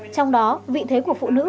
trong đó vị thế của phụ nữ